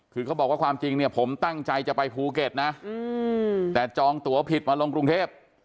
คือเขาบอกว่าความจริงเนี่ยผมตั้งใจจะไปภูเก็ตนะแต่จองตัวผิดมาลงกรุงเทพ